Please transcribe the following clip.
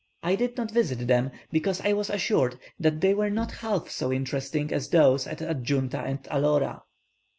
I did not visit them, because I was assured that they were not half so interesting as those at Adjunta and Elora.